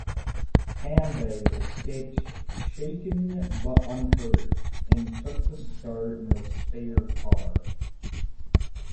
Tambay escaped shaken but unhurt, and took the start in the spare car.